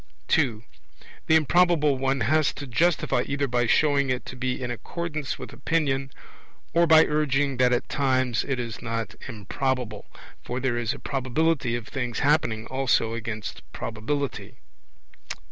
(2) The Improbable one has to justify either by showing it to be in accordance with opinion, or by urging that at times it is not improbable; for there is a probability of things happening also against probability.